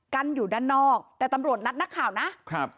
กันอยู่ด้านนอกแต่ตำรวจนัดนักข่าวนะครับ